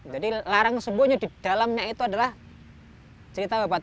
jadi larang sembunyi di dalamnya itu adalah cerita bebat